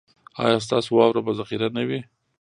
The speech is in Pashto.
ایا ستاسو واوره به ذخیره نه وي؟